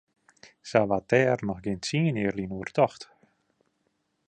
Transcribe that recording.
Sa waard dêr noch gjin tsien jier lyn oer tocht.